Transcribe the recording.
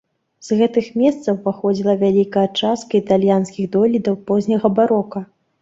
З гэтых месцаў паходзіла вялікая частка італьянскіх дойлідаў позняга барока.